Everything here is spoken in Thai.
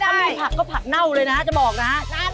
ถ้ามีผักก็ผักเน่าเลยนะจะบอกนะ